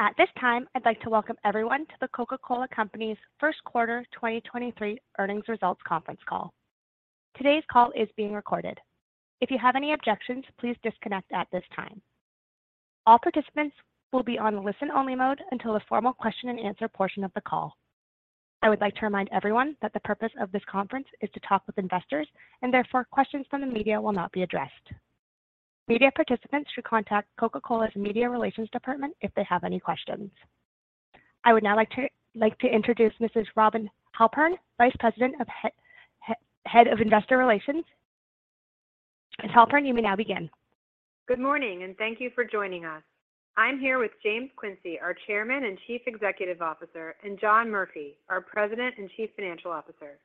At this time, I'd like to welcome everyone to The Coca-Cola Company's first quarter 2023 earnings results conference call. Today's call is being recorded. If you have any objections, please disconnect at this time. All participants will be on listen-only mode until the formal question and answer portion of the call. I would like to remind everyone that the purpose of this conference is to talk with investors, and therefore, questions from the media will not be addressed. Media participants should contact Coca-Cola's Media Relations department if they have any questions. I would now like to introduce Mrs. Robin Halpern, Vice President, Head of Investor Relations. Ms. Halpern, you may now begin. Good morning, and thank you for joining us. I'm here with James Quincey, our Chairman and Chief Executive Officer, and John Murphy, our President and Chief Financial Officer.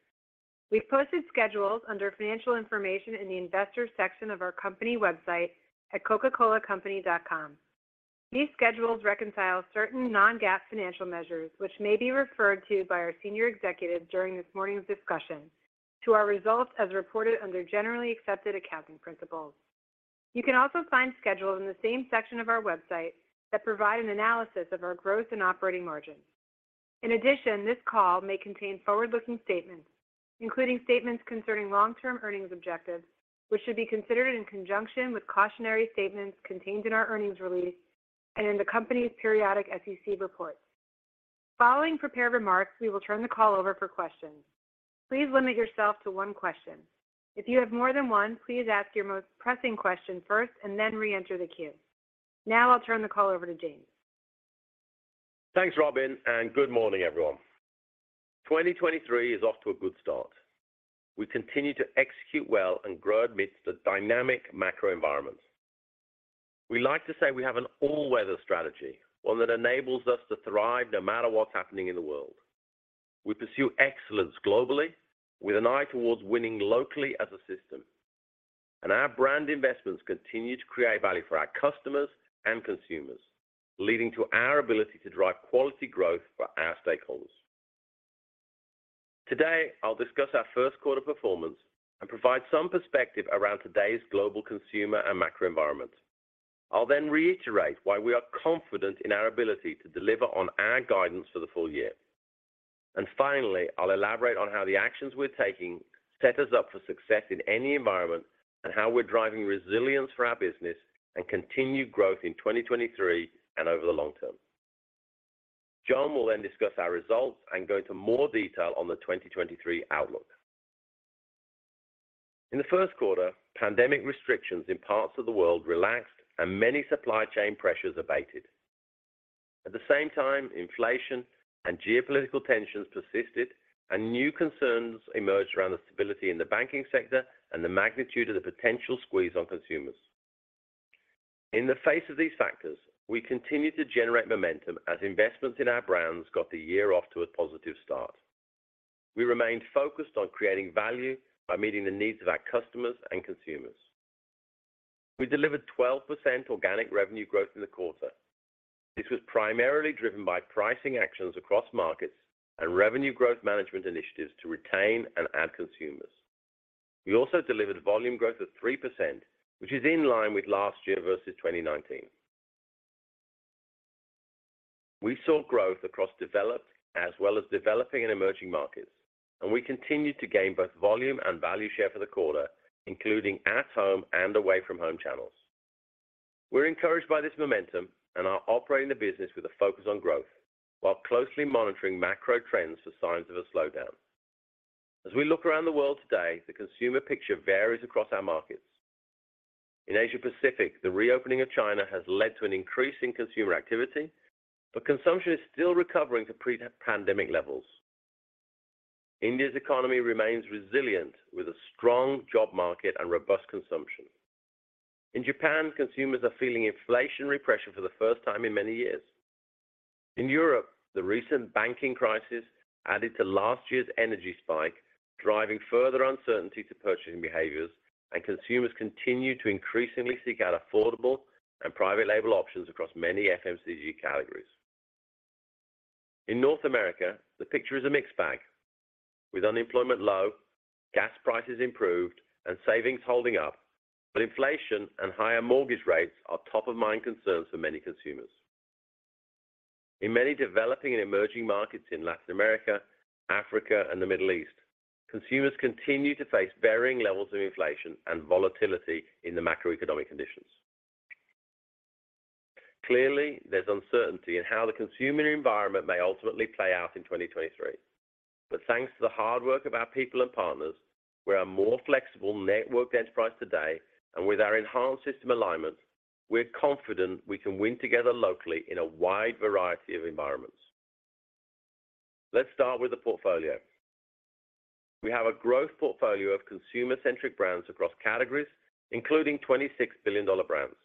We've posted schedules under financial information in the Investors section of our company website at cocacolacompany.com. These schedules reconcile certain non-GAAP financial measures, which may be referred to by our senior executives during this morning's discussion to our results as reported under Generally Accepted Accounting Principles. You can also find schedules in the same section of our website that provide an analysis of our growth and operating margins. In addition, this call may contain forward-looking statements, including statements concerning long-term earnings objectives, which should be considered in conjunction with cautionary statements contained in our earnings release and in the company's periodic SEC reports. Following prepared remarks, we will turn the call over for questions. Please limit yourself to one question. If you have more than one, please ask your most pressing question first and then reenter the queue. Now I'll turn the call over to James. Thanks, Robin. Good morning, everyone. 2023 is off to a good start. We continue to execute well and grow amidst a dynamic macro environment. We like to say we have an all-weather strategy, one that enables us to thrive no matter what's happening in the world. We pursue excellence globally with an eye towards winning locally as a system. Our brand investments continue to create value for our customers and consumers, leading to our ability to drive quality growth for our stakeholders. Today, I'll discuss our first quarter performance and provide some perspective around today's global consumer and macro environment. I'll reiterate why we are confident in our ability to deliver on our guidance for the full year. Finally, I'll elaborate on how the actions we're taking set us up for success in any environment and how we're driving resilience for our business and continued growth in 2023 and over the long term. John will discuss our results and go into more detail on the 2023 outlook. In the first quarter, pandemic restrictions in parts of the world relaxed and many supply chain pressures abated. At the same time, inflation and geopolitical tensions persisted, and new concerns emerged around the stability in the banking sector and the magnitude of the potential squeeze on consumers. In the face of these factors, we continued to generate momentum as investments in our brands got the year off to a positive start. We remained focused on creating value by meeting the needs of our customers and consumers. We delivered 12% organic revenue growth in the quarter. This was primarily driven by pricing actions across markets and revenue growth management initiatives to retain and add consumers. We also delivered volume growth of 3%, which is in line with last year versus 2019. We saw growth across developed as well as developing and emerging markets. We continued to gain both volume and value share for the quarter, including at-home and away-from-home channels. We're encouraged by this momentum and are operating the business with a focus on growth while closely monitoring macro trends for signs of a slowdown. As we look around the world today, the consumer picture varies across our markets. In Asia Pacific, the reopening of China has led to an increase in consumer activity. Consumption is still recovering to pre-pandemic levels. India's economy remains resilient with a strong job market and robust consumption. In Japan, consumers are feeling inflationary pressure for the first time in many years. In Europe, the recent banking crisis added to last year's energy spike, driving further uncertainty to purchasing behaviors, and consumers continue to increasingly seek out affordable and private label options across many FMCG categories. In North America, the picture is a mixed bag. With unemployment low, gas prices improved, and savings holding up, but inflation and higher mortgage rates are top-of-mind concerns for many consumers. In many developing and emerging markets in Latin America, Africa, and the Middle East, consumers continue to face varying levels of inflation and volatility in the macroeconomic conditions. Clearly, there's uncertainty in how the consumer environment may ultimately play out in 2023. Thanks to the hard work of our people and partners, we're a more flexible, networked enterprise today, and with our enhanced system alignment, we're confident we can win together locally in a wide variety of environments. Let's start with the portfolio. We have a growth portfolio of consumer-centric brands across categories, including $26 billion brands.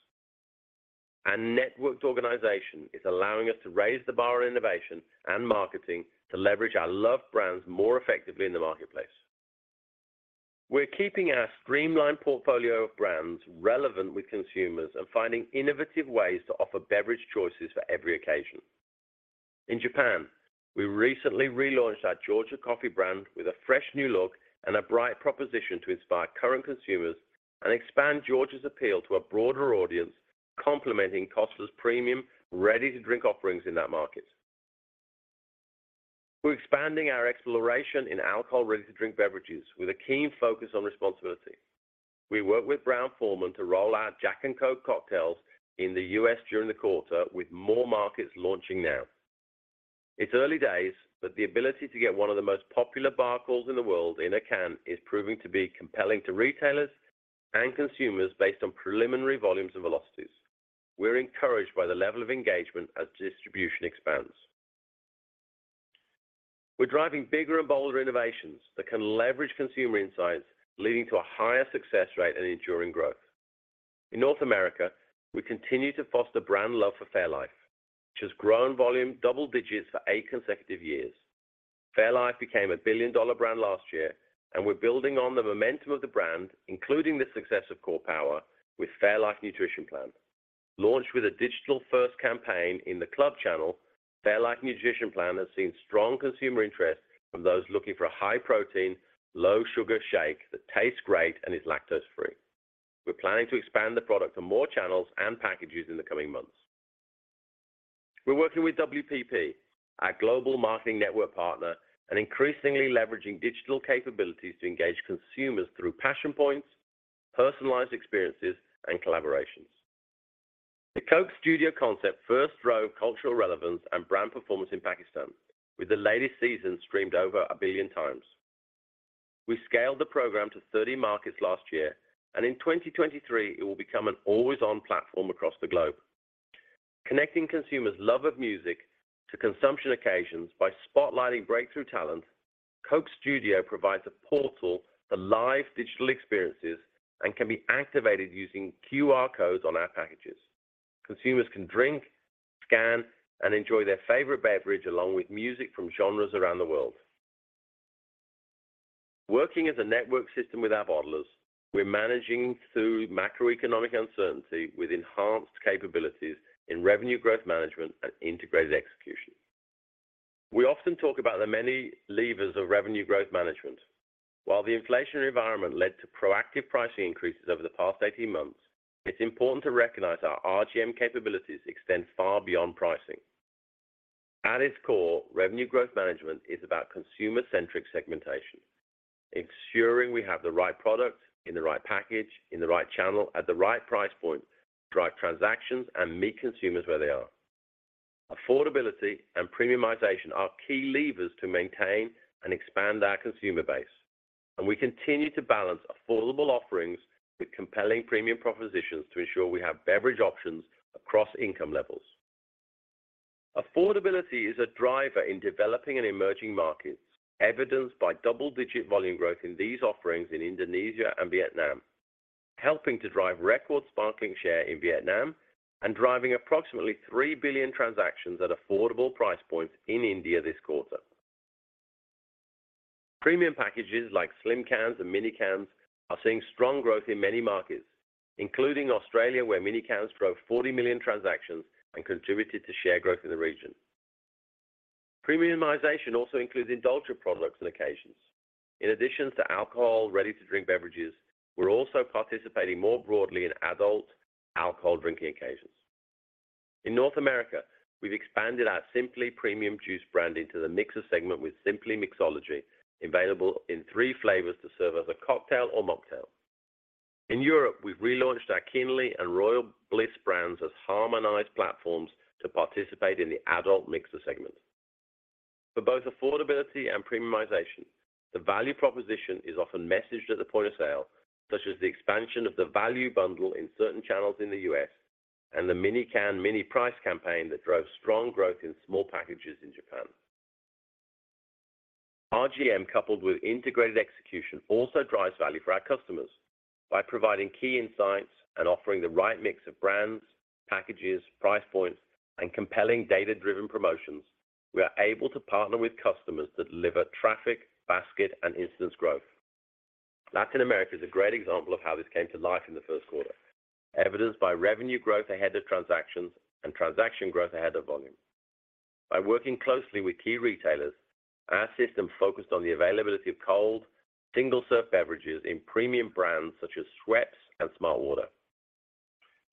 Our networked organization is allowing us to raise the bar on innovation and marketing to leverage our loved brands more effectively in the marketplace. We're keeping our streamlined portfolio of brands relevant with consumers and finding innovative ways to offer beverage choices for every occasion. In Japan, we recently relaunched our GEORGIA coffee brand with a fresh new look and a bright proposition to inspire current consumers and expand GEORGIA's appeal to a broader audience, complementing Costa's premium ready-to-drink offerings in that market. We're expanding our exploration in alcohol ready-to-drink beverages with a keen focus on responsibility. We worked with Brown-Forman to roll out Jack & Coke cocktails in the U.S. during the quarter, with more markets launching now. It's early days, but the ability to get one of the most popular bar calls in the world in a can is proving to be compelling to retailers and consumers based on preliminary volumes and velocities. We're encouraged by the level of engagement as distribution expands. We're driving bigger and bolder innovations that can leverage consumer insights, leading to a higher success rate and enduring growth. In North America, we continue to foster brand love for fairlife, which has grown volume double digits for eight consecutive years. Fairlife became a billion-dollar brand last year, and we're building on the momentum of the brand, including the success of Core Power, with fairlife Nutrition Plan. Launched with a digital-first campaign in the club channel, fairlife Nutrition Plan has seen strong consumer interest from those looking for a high-protein, low-sugar shake that tastes great and is lactose-free. We're planning to expand the product to more channels and packages in the coming months. We're working with WPP, our global marketing network partner, and increasingly leveraging digital capabilities to engage consumers through passion points, personalized experiences, and collaborations. The Coke Studio concept first drove cultural relevance and brand performance in Pakistan, with the latest season streamed over a billion times. We scaled the program to 30 markets last year, and in 2023 it will become an always-on platform across the globe. Connecting consumers' love of music to consumption occasions by spotlighting breakthrough talent, Coke Studio provides a portal to live digital experiences and can be activated using QR codes on our packages. Consumers can drink, scan, and enjoy their favorite beverage along with music from genres around the world. Working as a network system with our bottlers, we're managing through macroeconomic uncertainty with enhanced capabilities in revenue growth management and integrated execution. We often talk about the many levers of revenue growth management. While the inflationary environment led to proactive pricing increases over the past 18 months, it's important to recognize our RGM capabilities extend far beyond pricing. At its core, revenue growth management is about consumer-centric segmentation, ensuring we have the right product in the right package in the right channel at the right price point to drive transactions and meet consumers where they are. Affordability and premiumization are key levers to maintain and expand our consumer base, and we continue to balance affordable offerings with compelling premium propositions to ensure we have beverage options across income levels. Affordability is a driver in developing and emerging markets, evidenced by double-digit volume growth in these offerings in Indonesia and Vietnam, helping to drive record sparkling share in Vietnam and driving approximately three billion transactions at affordable price points in India this quarter. Premium packages like slim cans and mini cans are seeing strong growth in many markets, including Australia, where mini cans drove 40 million transactions and contributed to share growth in the region. Premiumization also includes indulgent products and occasions. In addition to alcohol ready-to-drink beverages, we're also participating more broadly in adult alcohol drinking occasions. In North America, we've expanded our Simply premium juice brand into the mixer segment with Simply Mixology, available in three flavors to serve as a cocktail or mocktail. In Europe, we've relaunched our Kinley and Royal Bliss brands as harmonized platforms to participate in the adult mixer segment. For both affordability and premiumization, the value proposition is often messaged at the point of sale, such as the expansion of the value bundle in certain channels in the U.S. and the mini can, mini price campaign that drove strong growth in small packages in Japan. RGM coupled with integrated execution also drives value for our customers. By providing key insights and offering the right mix of brands, packages, price points, and compelling data-driven promotions, we are able to partner with customers that deliver traffic, basket, and instance growth. Latin America is a great example of how this came to life in the first quarter, evidenced by revenue growth ahead of transactions and transaction growth ahead of volume. By working closely with key retailers, our system focused on the availability of cold, single-serve beverages in premium brands such as Schweppes and smartwater.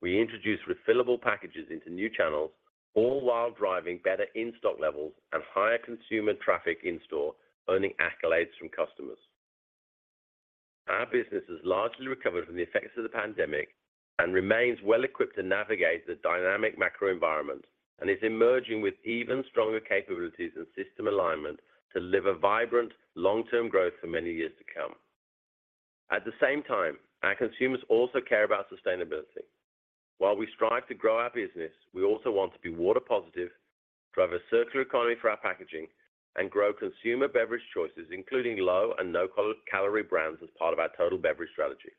We introduced refillable packages into new channels, all while driving better in-stock levels and higher consumer traffic in store, earning accolades from customers. Our business has largely recovered from the effects of the pandemic and remains well equipped to navigate the dynamic macro environment and is emerging with even stronger capabilities and system alignment to deliver vibrant long-term growth for many years to come. At the same time, our consumers also care about sustainability. While we strive to grow our business, we also want to be water positive, drive a circular economy for our packaging, and grow consumer beverage choices, including low and no-calorie brands as part of our total beverage strategy.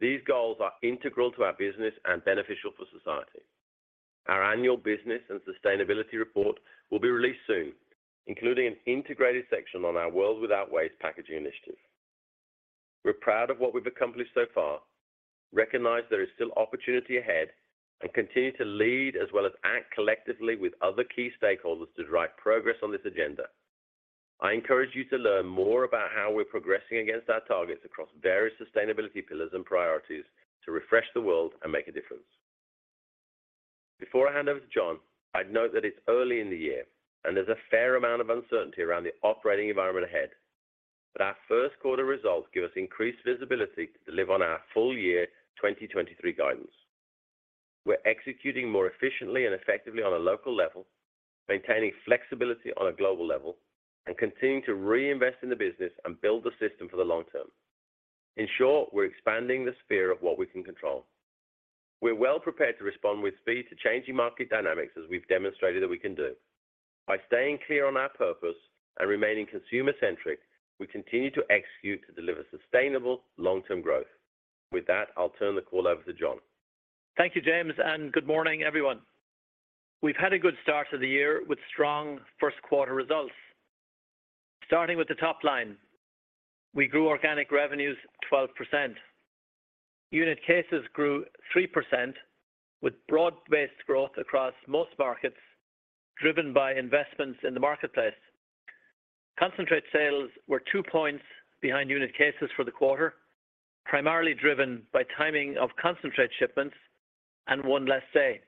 These goals are integral to our business and beneficial for society. Our annual business and sustainability report will be released soon, including an integrated section on our World Without Waste packaging initiative. We're proud of what we've accomplished so far, recognize there is still opportunity ahead, and continue to lead as well as act collectively with other key stakeholders to drive progress on this agenda. I encourage you to learn more about how we're progressing against our targets across various sustainability pillars and priorities to refresh the world and make a difference. Before I hand over to John, I'd note that it's early in the year, and there's a fair amount of uncertainty around the operating environment ahead, but our first quarter results give us increased visibility to deliver on our full year 2023 guidance. We're executing more efficiently and effectively on a local level, maintaining flexibility on a global level, and continuing to reinvest in the business and build the system for the long term. In short, we're expanding the sphere of what we can control. We're well prepared to respond with speed to changing market dynamics as we've demonstrated that we can do. By staying clear on our purpose and remaining consumer-centric, we continue to execute to deliver sustainable long-term growth. With that, I'll turn the call over to John. Thank you, James. Good morning, everyone. We've had a good start to the year with strong first quarter results. Starting with the top line, we grew organic revenues 12%. Unit cases grew 3% with broad-based growth across most markets, driven by investments in the marketplace. Concentrate sales were 2 points behind unit cases for the quarter, primarily driven by timing of concentrate shipments and one less day.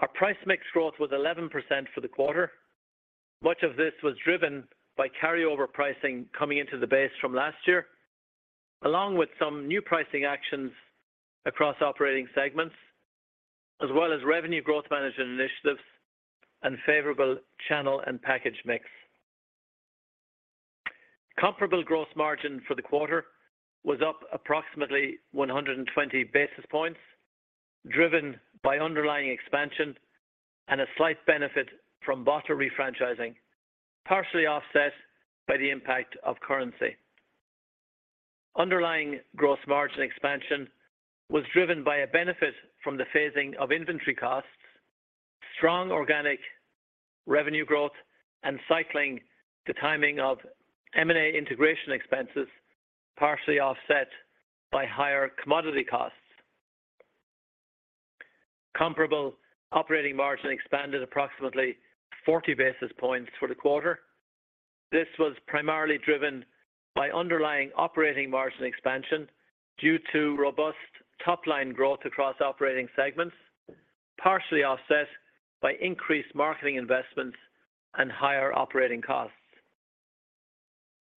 Our price mix growth was 11% for the quarter. Much of this was driven by carryover pricing coming into the base from last year, along with some new pricing actions across operating segments, as well as revenue growth management initiatives and favorable channel and package mix. Comparable gross margin for the quarter was up approximately 120 basis points, driven by underlying expansion and a slight benefit from bottler refranchising, partially offset by the impact of currency. Underlying gross margin expansion was driven by a benefit from the phasing of inventory costs, strong organic revenue growth, and cycling the timing of M&A integration expenses, partially offset by higher commodity costs. Comparable operating margin expanded approximately 40 basis points for the quarter. This was primarily driven by underlying operating margin expansion due to robust top-line growth across operating segments, partially offset by increased marketing investments and higher operating costs.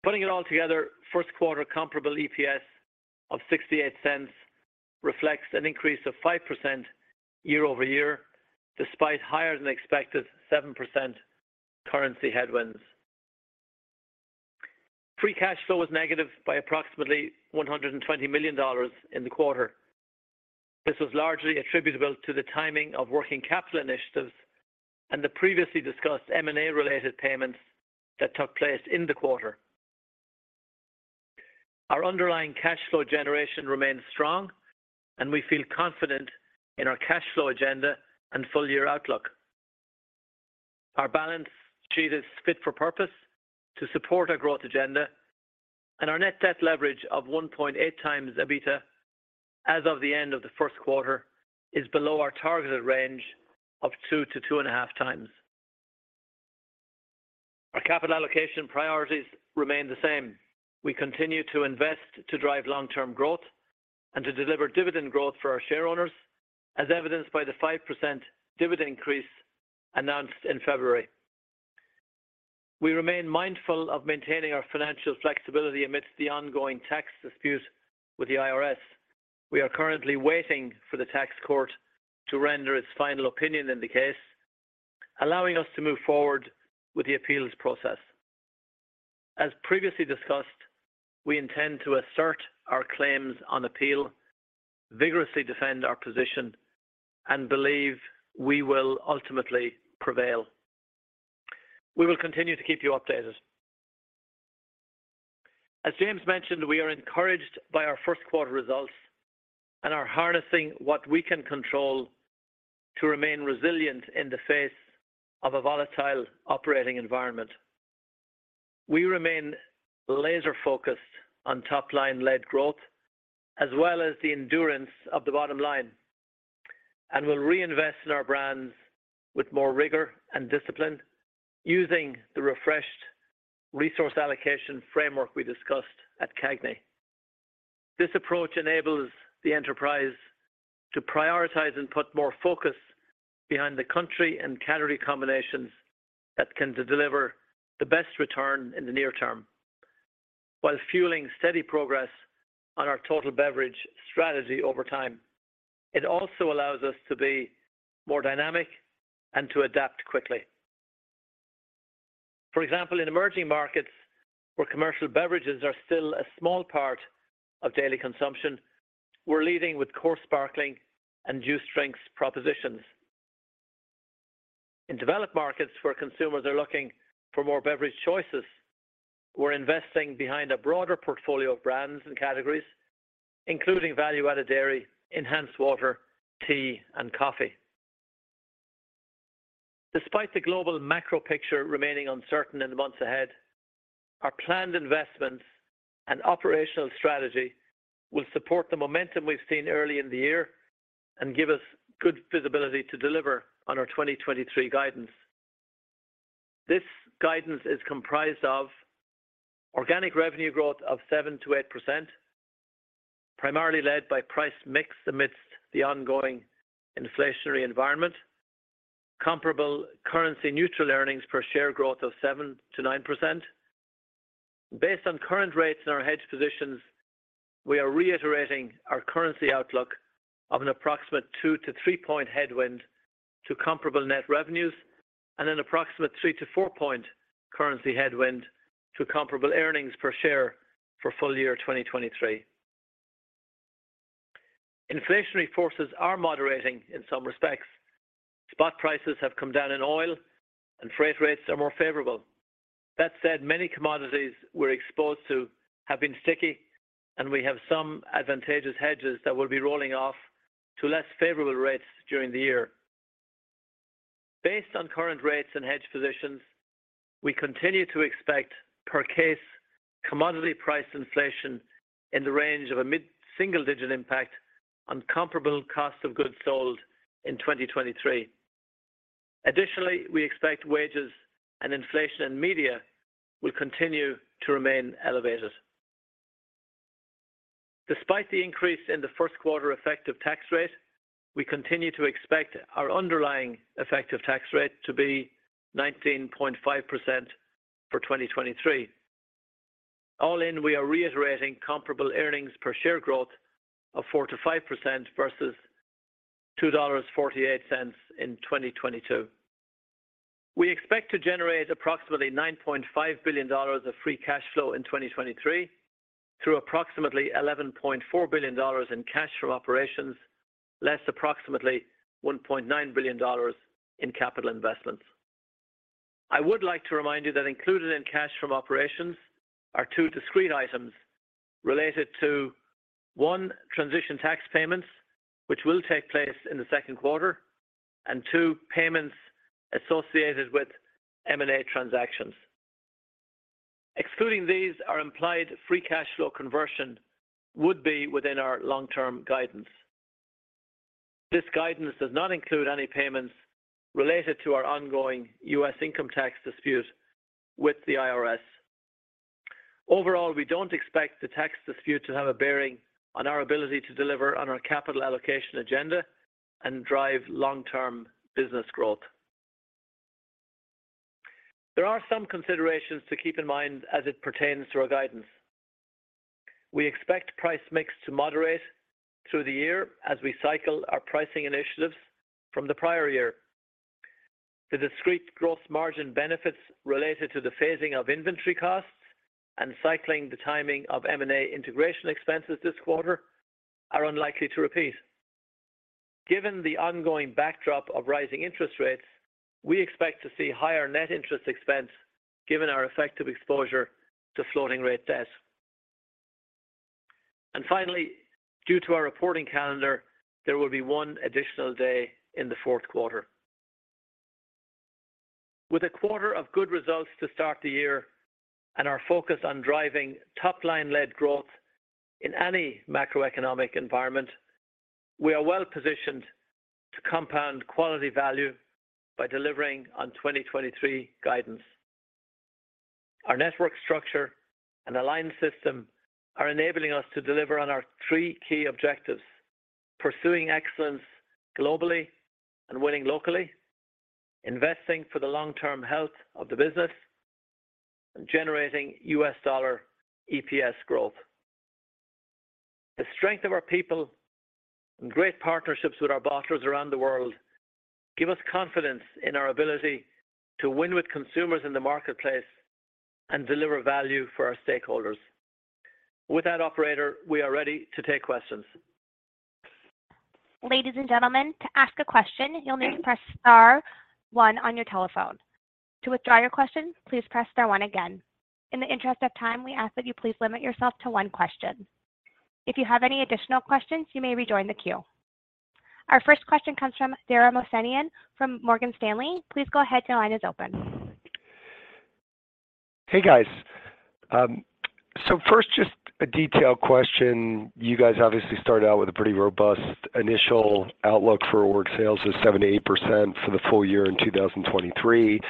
Putting it all together, first quarter comparable EPS of $0.68 reflects an increase of 5% year-over-year, despite higher than expected 7% currency headwinds. Free cash flow was negative by approximately $120 million in the quarter. This was largely attributable to the timing of working capital initiatives and the previously discussed M&A-related payments that took place in the quarter. Our underlying cash flow generation remains strong and we feel confident in our cash flow agenda and full year outlook. Our balance sheet is fit for purpose to support our growth agenda and our net debt leverage of 1.8x EBITDA as of the end of the first quarter is below our targeted range of 2x-2.5x. Our capital allocation priorities remain the same. We continue to invest to drive long-term growth and to deliver dividend growth for our shareowners, as evidenced by the 5% dividend increase announced in February. We remain mindful of maintaining our financial flexibility amidst the ongoing tax dispute with the IRS. We are currently waiting for the tax court to render its final opinion in the case, allowing us to move forward with the appeals process. As previously discussed, we intend to assert our claims on appeal, vigorously defend our position, and believe we will ultimately prevail. We will continue to keep you updated. As James mentioned, we are encouraged by our first quarter results and are harnessing what we can control to remain resilient in the face of a volatile operating environment. We remain laser-focused on top-line-led growth as well as the endurance of the bottom line and will reinvest in our brands with more rigor and discipline using the refreshed resource allocation framework we discussed at CAGNY. This approach enables the enterprise to prioritize and put more focus behind the country and category combinations that can deliver the best return in the near term while fueling steady progress on our total beverage strategy over time. It also allows us to be more dynamic and to adapt quickly. For example, in emerging markets where commercial beverages are still a small part of daily consumption, we're leading with core sparkling and juice drinks propositions. In developed markets where consumers are looking for more beverage choices, we're investing behind a broader portfolio of brands and categories, including value-added dairy, enhanced water, tea, and coffee. Despite the global macro picture remaining uncertain in the months ahead, our planned investments and operational strategy will support the momentum we've seen early in the year and give us good visibility to deliver on our 2023 guidance. This guidance is comprised of organic revenue growth of 7%-8%, primarily led by price mix amidst the ongoing inflationary environment. Comparable currency neutral earnings per share growth of 7%-9%. Based on current rates in our hedge positions, we are reiterating our currency outlook of an approximate 2-3 point headwind to comparable net revenues and an approximate 3-4 point currency headwind to comparable earnings per share for full year 2023. Inflationary forces are moderating in some respects. Spot prices have come down in oil and freight rates are more favorable. That said, many commodities we're exposed to have been sticky, and we have some advantageous hedges that will be rolling off to less favorable rates during the year. Based on current rates and hedge positions, we continue to expect per case commodity price inflation in the range of a mid-single-digit impact on comparable cost of goods sold in 2023. Additionally, we expect wages and inflation in media will continue to remain elevated. Despite the increase in the first quarter effective tax rate, we continue to expect our underlying effective tax rate to be 19.5% for 2023. All in, we are reiterating comparable earnings per share growth of 4%-5% versus $2.48 in 2022. We expect to generate approximately $9.5 billion of free cash flow in 2023 through approximately $11.4 billion in cash from operations, less approximately $1.9 billion in capital investments. I would like to remind you that included in cash from operations are two discrete items related to, one, transition tax payments, which will take place in the second quarter, and two, payments associated with M&A transactions. Excluding these, our implied free cash flow conversion would be within our long-term guidance. This guidance does not include any payments related to our ongoing U.S. income tax dispute with the IRS. We don't expect the tax dispute to have a bearing on our ability to deliver on our capital allocation agenda and drive long-term business growth. There are some considerations to keep in mind as it pertains to our guidance. We expect price mix to moderate through the year as we cycle our pricing initiatives from the prior year. The discrete gross margin benefits related to the phasing of inventory costs and cycling the timing of M&A integration expenses this quarter are unlikely to repeat. Given the ongoing backdrop of rising interest rates, we expect to see higher net interest expense given our effective exposure to floating rate debt. Due to our reporting calendar, there will be one additional day in the fourth quarter. With a quarter of good results to start the year and our focus on driving top-line-led growth in any macroeconomic environment, we are well-positioned to compound quality value by delivering on 2023 guidance. Our network structure and aligned system are enabling us to deliver on our three key objectives: pursuing excellence globally and winning locally, investing for the long-term health of the business, and generating U.S. dollar EPS growth. The strength of our people and great partnerships with our bottlers around the world give us confidence in our ability to win with consumers in the marketplace and deliver value for our stakeholders. With that, operator, we are ready to take questions. Ladies and gentlemen, to ask a question, you'll need to press star one on your telephone. To withdraw your question, please press star one again. In the interest of time, we ask that you please limit yourself to one question. If you have any additional questions, you may rejoin the queue. Our first question comes from Dara Mohsenian from Morgan Stanley. Please go ahead. Your line is open. Hey, guys. First, just a detailed question. You guys obviously started out with a pretty robust initial outlook for org sales of 7%-8% for the full year in 2023.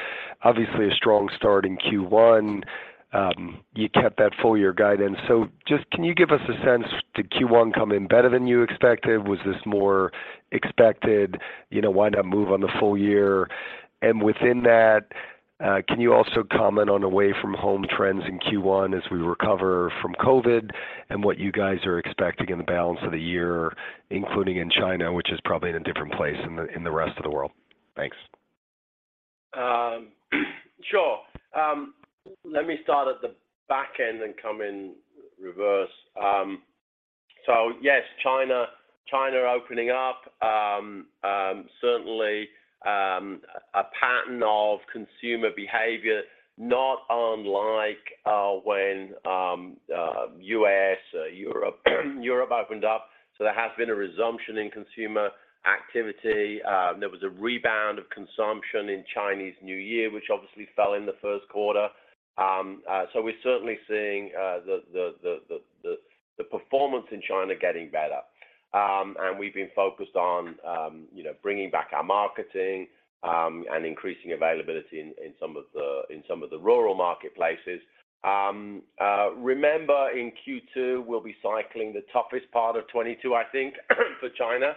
Obviously a strong start in Q1. You kept that full year guidance. Can you give us a sense, did Q1 come in better than you expected? Was this more expected? You know, why not move on the full year? And within that, can you also comment on away-from-home trends in Q1 as we recover from COVID and what you guys are expecting in the balance of the year, including in China, which is probably in a different place in the, in the rest of the world? Thanks. Sure. Let me start at the back end and come in reverse. Yes, China opening up, certainly a pattern of consumer behavior, not unlike when U.S., Europe opened up. There has been a resumption in consumer activity. There was a rebound of consumption in Chinese New Year, which obviously fell in the first quarter. We're certainly seeing the performance in China getting better. We've been focused on, you know, bringing back our marketing and increasing availability in some of the rural marketplaces. Remember in Q2, we'll be cycling the toughest part of 2022, I think, for China.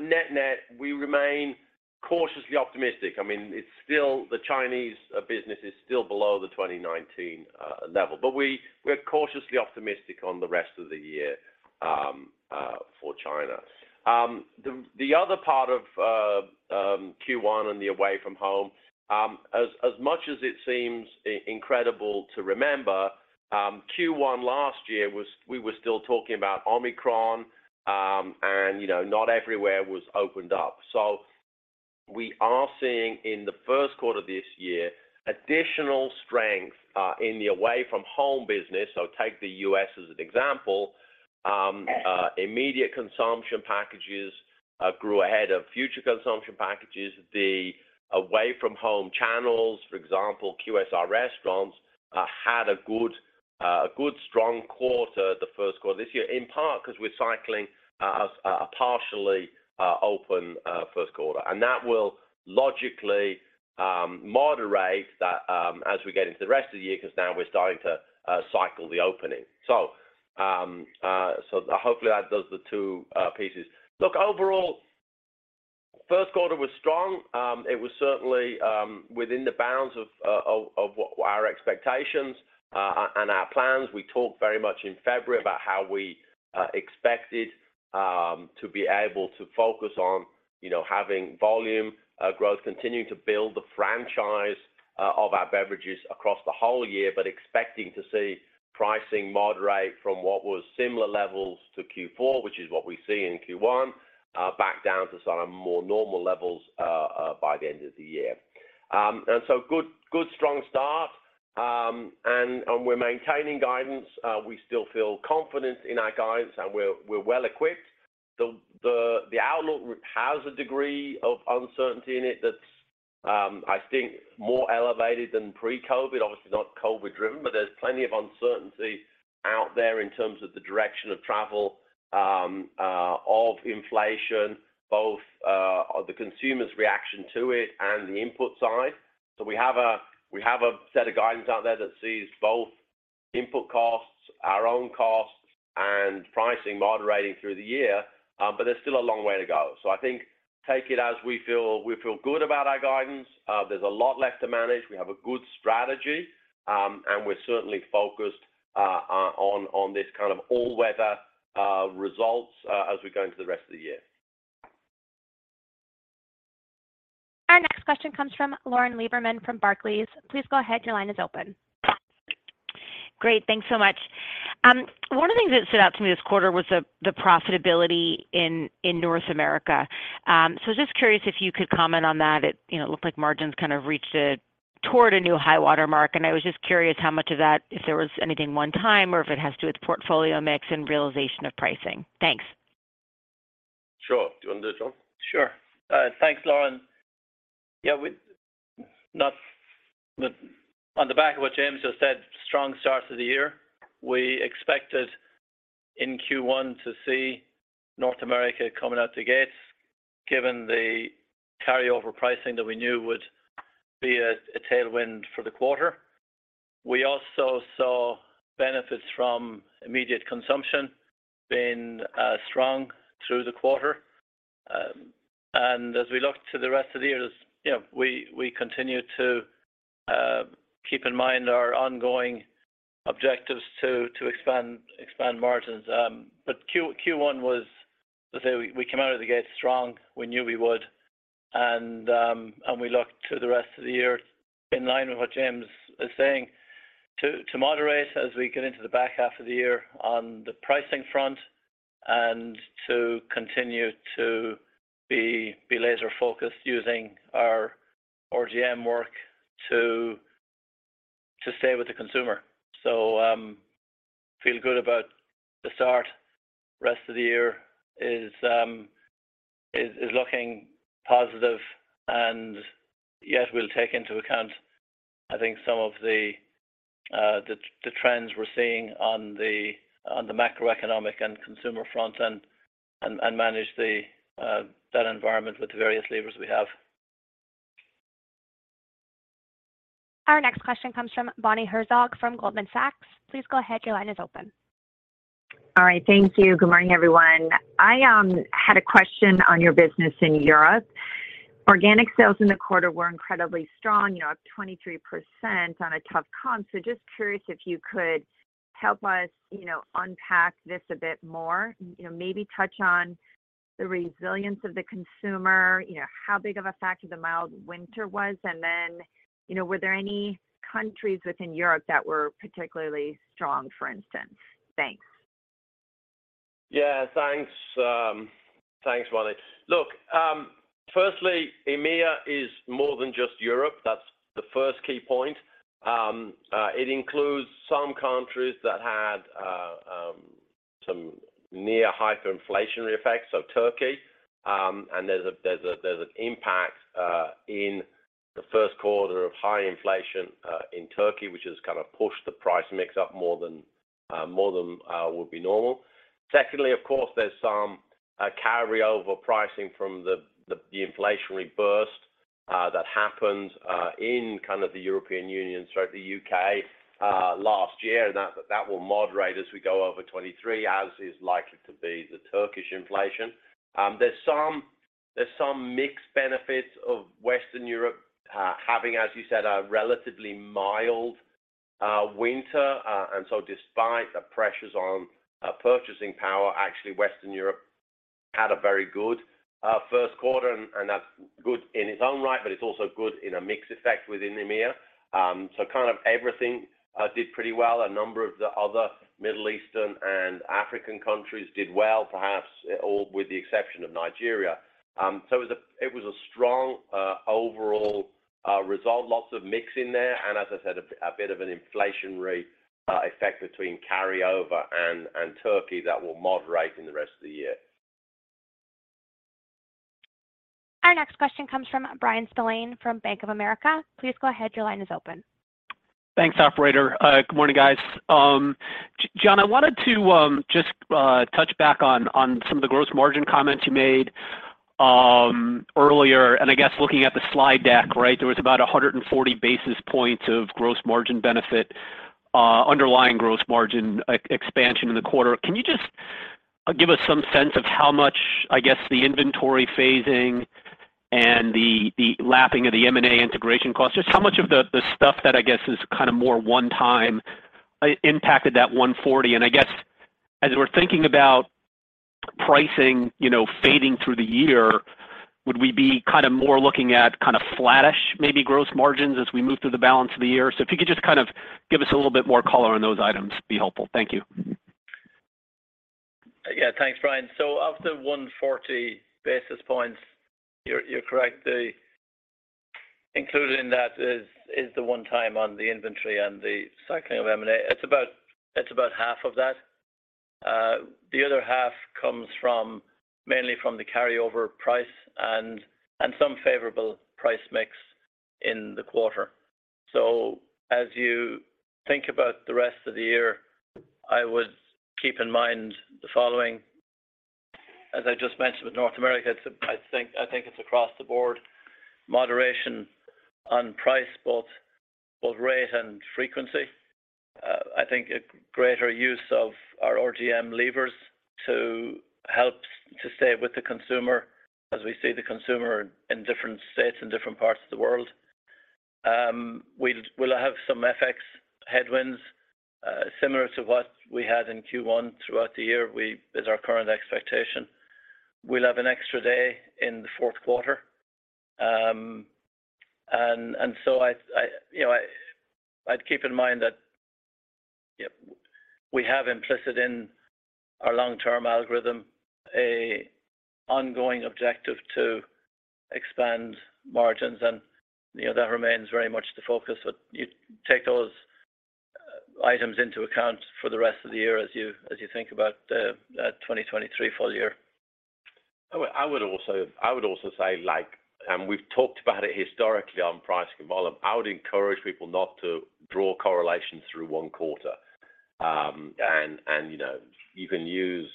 Net-net, we remain cautiously optimistic. I mean, it's still the Chinese business is still below the 2019 level, we're cautiously optimistic on the rest of the year for China. The other part of Q1 and the away-from-home, as much as it seems incredible to remember, Q1 last year was, we were still talking about Omicron, you know, not everywhere was opened up. We are seeing in the first quarter this year, additional strength in the away-from-home business. Take the U.S. as an example. Immediate consumption packages grew ahead of future consumption packages. The away-from-home channels, for example, QSR restaurants, had a good strong quarter, the first quarter this year, in part because we're cycling a partially open first quarter. That will logically moderate that as we get into the rest of the year, 'cause now we're starting to cycle the opening. Hopefully that does the two pieces. Look, overall, first quarter was strong. It was certainly within the bounds of our expectations and our plans. We talked very much in February about how we expected to be able to focus on, you know, having volume growth, continuing to build the franchise of our beverages across the whole year, but expecting to see pricing moderate from what was similar levels to Q4, which is what we see in Q1, back down to some more normal levels by the end of the year. Good strong start. We're maintaining guidance. We still feel confident in our guidance, and we're well equipped. The outlook has a degree of uncertainty in it that's, I think more elevated than pre-COVID, obviously not COVID-driven, but there's plenty of uncertainty out there in terms of the direction of travel, of inflation, both the consumer's reaction to it and the input side. We have a set of guidance out there that sees both input costs, our own costs, and pricing moderating through the year, but there's still a long way to go. I think take it as we feel good about our guidance. There's a lot left to manage. We have a good strategy, and we're certainly focused, on this kind of all-weather, results, as we go into the rest of the year. Our next question comes from Lauren Lieberman from Barclays. Please go ahead. Your line is open. Great. Thanks so much. One of the things that stood out to me this quarter was the profitability in North America. Just curious if you could comment on that. It, you know, looked like margins kind of reached toward a new high-water mark. I was just curious how much of that, if there was anything one-time or if it has to do with portfolio mix and realization of pricing. Thanks. Sure. Do you want to do it, John? Sure. Thanks, Lauren. Yeah, on the back of what James just said, strong start to the year. We expected in Q1 to see North America coming out the gates, given the carryover pricing that we knew would be a tailwind for the quarter. We also saw benefits from immediate consumption being strong through the quarter. As we look to the rest of the year, as, you know, we continue to keep in mind our ongoing objectives to expand margins. Q1 was, let's say we came out of the gate strong. We knew we would. We look to the rest of the year in line with what James is saying to moderate as we get into the back half of the year on the pricing front and to continue to be laser-focused using our RGM work to stay with the consumer. Feel good about the start. Rest of the year is looking positive, and yet we'll take into account, I think, some of the trends we're seeing on the macroeconomic and consumer front and manage the environment with the various levers we have. Our next question comes from Bonnie Herzog from Goldman Sachs. Please go ahead. Your line is open. All right. Thank Thank you. Good morning, everyone. I had a question on your business in Europe. Organic sales in the quarter were incredibly strong, you know, up 23% on a tough comp. Just curious if you could help us, you know, unpack this a bit more. You know, maybe touch on the resilience of the consumer, you know, how big of a factor the mild winter was, and then, you know, were there any countries within Europe that were particularly strong, for instance? Thanks. Yeah, thanks. Thanks, Bonnie. Look, firstly, EMEA is more than just Europe. That's the first key point. It includes some countries that had some near hyperinflationary effects, so Turkey. And there's an impact in the first quarter of high inflation in Turkey, which has kind of pushed the price mix up more than would be normal. Secondly, of course, there's some carryover pricing from the inflationary burst that happened in kind of the European Union throughout the U.K. last year. That will moderate as we go over 2023, as is likely to be the Turkish inflation. There's some mixed benefits of Western Europe having, as you said, a relatively mild winter. Despite the pressures on purchasing power, actually Western Europe had a very good first quarter and that's good in its own right, but it's also good in a mix effect within EMEA. Kind of everything did pretty well. A number of the other Middle Eastern and African countries did well, perhaps all with the exception of Nigeria. It was a strong overall result. Lots of mix in there, and as I said, a bit of an inflationary effect between carryover and Turkey that will moderate in the rest of the year. Our next question comes from Bryan Spillane from Bank of America. Please go ahead, your line is open. Thanks, operator. Good morning, guys. John, I wanted to just touch back on some of the gross margin comments you made earlier. I guess looking at the slide deck, right, there was about 140 basis points of gross margin benefit, underlying gross margin expansion in the quarter. Can you just give us some sense of how much, I guess, the inventory phasing and the lapping of the M&A integration costs, just how much of the stuff that I guess is kind of more one-time impacted that 140. I guess as we're thinking about pricing, you know, fading through the year, would we be kind of more looking at kind of flattish maybe gross margins as we move through the balance of the year? If you could just kind of give us a little bit more color on those items, be helpful. Thank you. Yeah. Thanks, Bryan. Of the 140 basis points, you're correct. Included in that is the one time on the inventory and the cycling of M&A. It's about half of that. The other half comes from, mainly from the carryover price and some favorable price mix in the quarter. As you think about the rest of the year, I would keep in mind the following. As I just mentioned with North America, I think it's across-the-board moderation on price, both rate and frequency. I think a greater use of our RGM levers to help to stay with the consumer as we see the consumer in different states and different parts of the world. We'll have some FX headwinds, similar to what we had in Q1 throughout the year, which is our current expectation. We'll have an extra day in the fourth quarter. I, you know, I'd keep in mind that we have implicit in our long-term algorithm a ongoing objective to expand margins and, you know, that remains very much the focus. You take those items into account for the rest of the year as you think about the 2023 full year. I would also say like, we've talked about it historically on price and volume. I would encourage people not to draw correlations through one quarter. You know, you can use,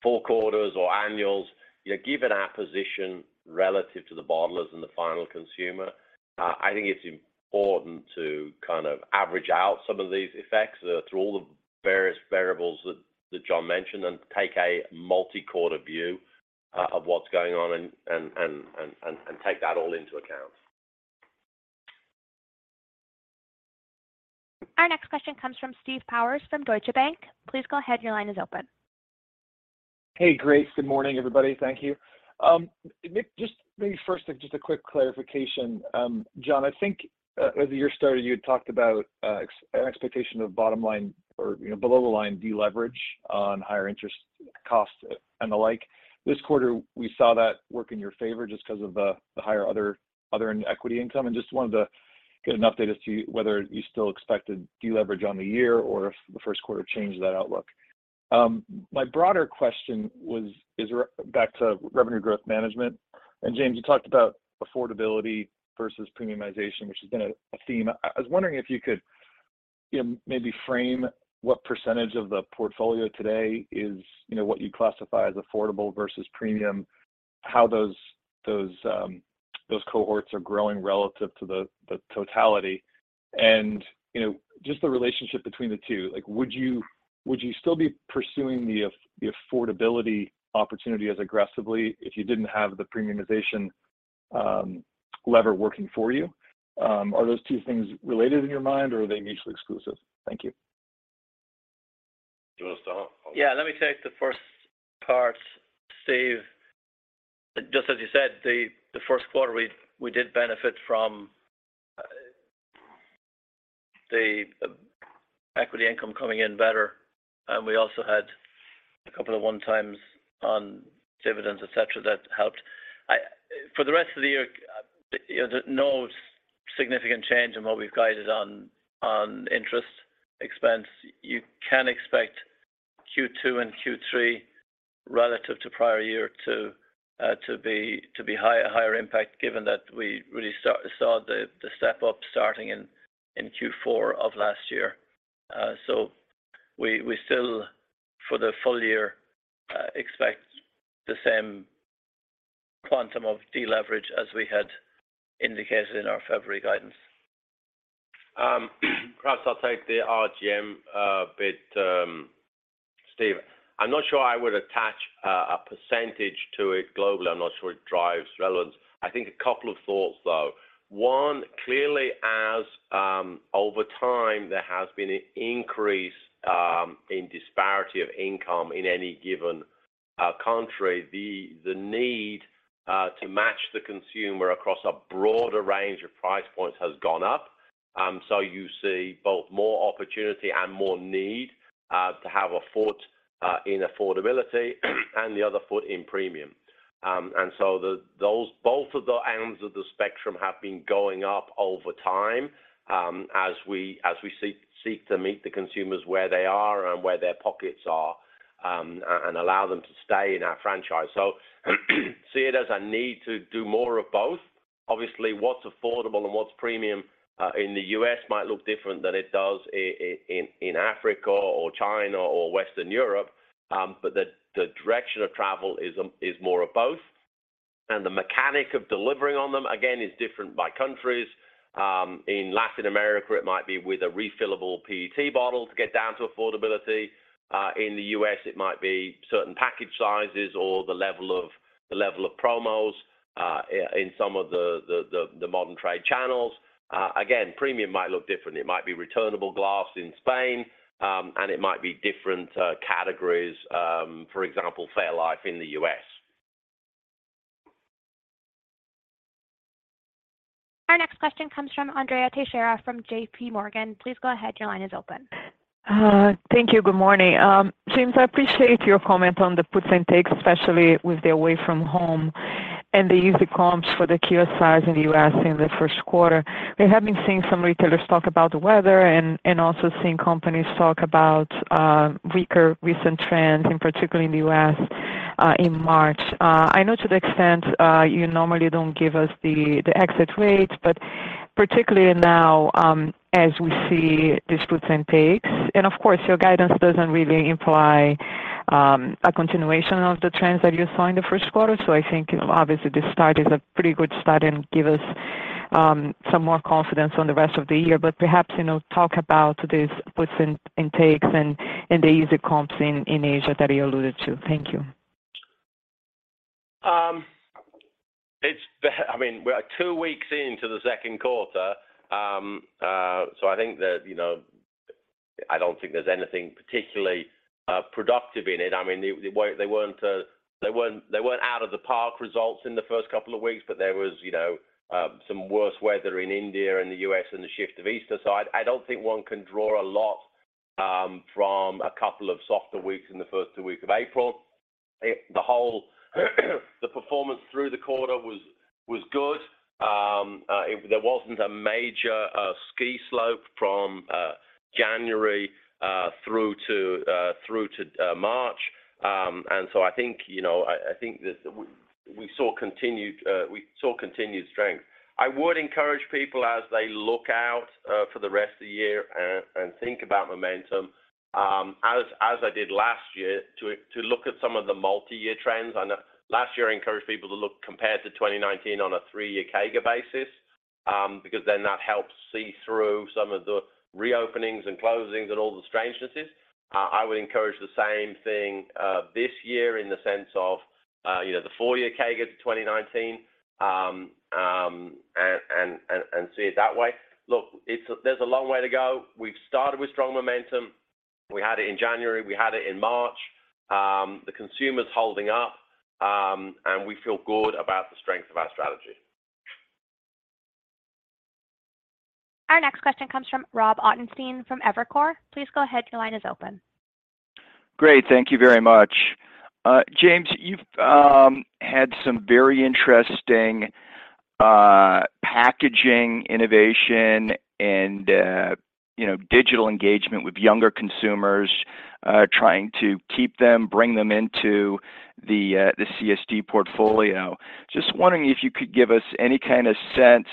four quarters or annuals. You know, given our position relative to the bottlers and the final consumer, I think it's important to kind of average out some of these effects, through all the various variables that John mentioned, and take a multi-quarter view of what's going on and take that all into account. Our next question comes from Steve Powers from Deutsche Bank. Please go ahead, your line is open. Hey. Great. Good morning, everybody. Thank you. Maybe, just maybe first just a quick clarification. John, I think, as the year started, you had talked about an expectation of bottom line or, you know, below the line deleverage on higher interest costs and the like. This quarter, we saw that work in your favor just 'cause of the higher other equity income, and just wanted to get an update as to whether you still expect a deleverage on the year or if the first quarter changed that outlook. My broader question was back to revenue growth management. James, you talked about affordability versus premiumization, which has been a theme. I was wondering if you could, you know, maybe frame what percentage of the portfolio today is, you know, what you'd classify as affordable versus premium, how those cohorts are growing relative to the totality and, you know, just the relationship between the two. Like, would you still be pursuing the affordability opportunity as aggressively if you didn't have the premiumization lever working for you? Are those two things related in your mind or are they mutually exclusive? Thank you. Do you want to start? Yeah, let me take the first part, Steve. Just as you said, the first quarter, we did benefit from the equity income coming in better, and we also had a couple of one-times on dividends, et cetera, that helped. For the rest of the year, you know, no significant change in what we've guided on interest expense. You can expect Q2 and Q3 relative to prior year to be higher impact given that we really saw the step-up starting in Q4 of last year. We still for the full year expect the same quantum of deleverage as we had indicated in our February guidance. Perhaps I'll take the RGM bit, Steve. I'm not sure I would attach a percentage to it globally. I'm not sure it drives relevance. I think a couple of thoughts, though. One, clearly as over time there has been an increase in disparity of income in any given country, the need to match the consumer across a broader range of price points has gone up. You see both more opportunity and more need to have a foot in affordability and the other foot in premium. Both of the ends of the spectrum have been going up over time as we seek to meet the consumers where they are and where their pockets are and allow them to stay in our franchise. See it as a need to do more of both. Obviously, what's affordable and what's premium in the U.S. might look different than it does in Africa or China or Western Europe. The direction of travel is more of both, and the mechanic of delivering on them again, is different by countries. In Latin America, it might be with a refillable PET bottle to get down to affordability. In the U.S., it might be certain package sizes or the level of promos in some of the modern trade channels. Again, premium might look different. It might be returnable glass in Spain, and it might be different categories, for example, fairlife in the U.S. Our next question comes from Andrea Teixeira from JPMorgan. Please go ahead. Your line is open. Thank you. Good morning. James, I appreciate your comment on the puts and takes, especially with the away-from-home and the easy comps for the QSRs in the U.S. in the first quarter. We have been seeing some retailers talk about the weather and also seeing companies talk about weaker recent trends, in particular in the U.S. in March. I know to the extent, you normally don't give us the exit rates, but particularly now, as we see these puts and takes, and of course, your guidance doesn't really imply a continuation of the trends that you saw in the first quarter. I think, you know, obviously this start is a pretty good start and give us some more confidence on the rest of the year. Perhaps, you know, talk about these puts and takes and the easy comps in Asia that you alluded to. Thank you. I mean, we are two weeks into the second quarter. I think that, you know, I don't think there's anything particularly productive in it. I mean, they weren't out of the park results in the first couple of weeks, but there was, you know, some worse weather in India and the U.S. and the shift of Easter. I don't think one can draw a lot from a couple of softer weeks in the first two weeks of April. The whole, the performance through the quarter was good. There wasn't a major ski slope from January through to March. I think, you know, I think this, we saw continued strength. I would encourage people as they look out for the rest of the year and think about momentum, as I did last year, to look at some of the multi-year trends. I know last year I encouraged people to look compared to 2019 on a three-year CAGR basis, because then that helps see through some of the reopenings and closings and all the strangenesses. I would encourage the same thing this year in the sense of, you know, the four-year CAGR to 2019, and see it that way. Look, there's a long way to go. We've started with strong momentum. We had it in January. We had it in March. The consumer's holding up. We feel good about the strength of our strategy. Our next question comes from Rob Ottenstein from Evercore. Please go ahead. Your line is open. Great. Thank you very much. James, you've had some very interesting packaging innovation and, you know, digital engagement with younger consumers, trying to keep them, bring them into the CSD portfolio. Just wondering if you could give us any kind of sense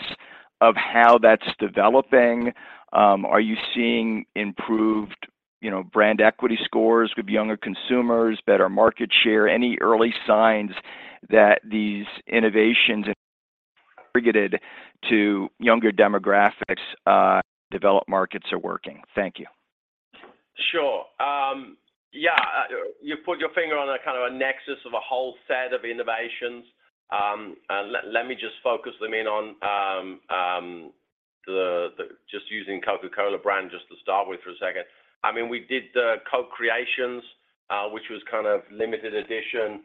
of how that's developing. Are you seeing improved, you know, brand equity scores with younger consumers, better market share? Any early signs that these innovations targeted to younger demographics, in developed markets are working? Thank you. Sure. You put your finger on a kind of a nexus of a whole set of innovations. Let me just focus them in on just using Coca-Cola brand just to start with for a second. I mean, we did the Coke Creations, which was kind of limited edition,